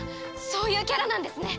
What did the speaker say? そういうキャラなんですね。